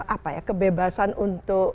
apa ya kebebasan untuk